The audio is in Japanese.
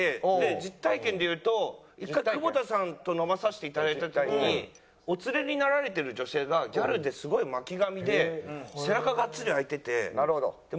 実体験で言うと１回久保田さんと飲まさせていただいた時にお連れになられてる女性がギャルですごい巻き髪で背中ガッツリ開いてて。